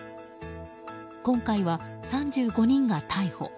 今回は、３５人が逮捕。